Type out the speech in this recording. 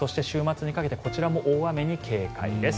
そして週末にかけてこちらも大雨に警戒です。